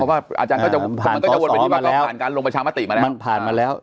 ต่อสินพลังถึงเพราะว่าการลงประชาปฯมาแล้ว